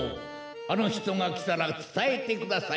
あのひとがきたらつたえてください。